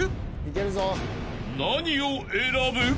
［何を選ぶ？］